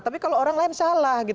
tapi kalau orang lain salah